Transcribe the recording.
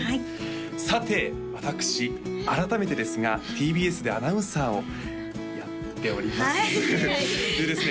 さて私改めてですがＴＢＳでアナウンサーをやっておりますでですね